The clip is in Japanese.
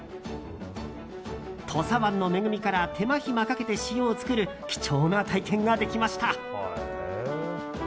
土佐湾の恵みから手間暇かけて塩を作る貴重な体験ができました。